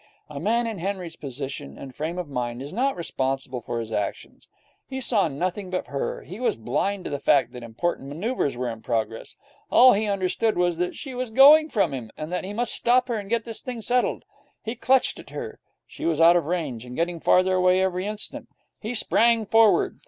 A man in Henry's position and frame of mind is not responsible for his actions. He saw nothing but her; he was blind to the fact that important manoeuvres were in progress. All he understood was that she was going from him, and that he must stop her and get this thing settled. He clutched at her. She was out of range, and getting farther away every instant. He sprang forward.